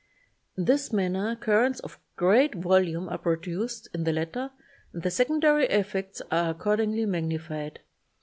In this manner" currents of great volume are produced in the latter and the secondary effects are accordingly magnified.